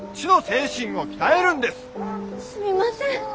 すみません。